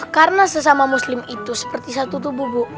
karena sesama muslim itu seperti satu tubuh bu